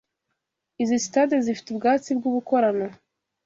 Izi sitade zifite ubwatsi bw’ubukorano